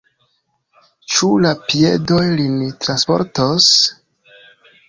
Ĉu la piedoj lin transportos?